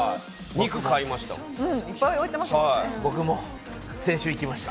肉を買いました。